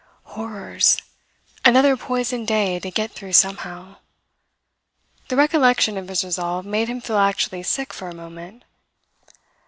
Horrors! Another poisoned day to get through somehow! The recollection of his resolve made him feel actually sick for a moment.